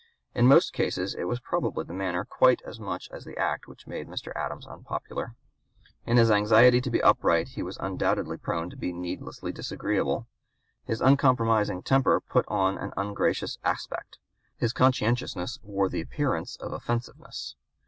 In most cases it was probably the manner quite as much as the act which made Mr. Adams unpopular. In his anxiety to be upright he was undoubtedly prone to be needlessly disagreeable. His uncompromising temper put on an ungracious aspect. His conscientiousness wore the appearance of offensiveness.